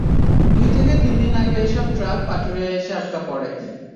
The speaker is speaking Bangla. দুই থেকে তিন দিন আগে এসব ট্রাক পাটুরিয়ায় এসে আটকা পড়ে।